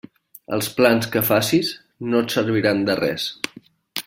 Els plans que facis no et serviran de res.